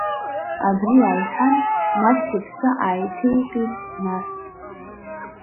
Абри ааиҳәан, маҷк иԥсы ааиҭеикит, нас.